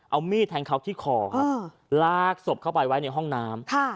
เอามีดแทงเขาที่คอครับลากศพเข้าไปไว้ในห้องน้ำ